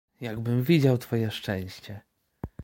"Jakbym widział twoje szczęście."